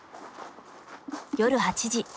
夜８時。